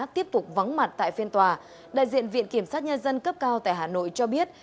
tiếp tục vắng mặt tại phiên tòa đại diện viện kiểm sát nhân dân cấp cao tại hà nội cho biết